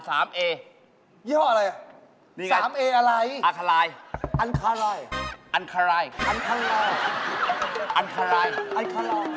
แสดงว่าที่ผ่านมาเราสองคนก็